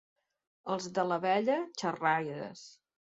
Els de l'Abella, xerraires.